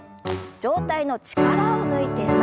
上体の力を抜いて前。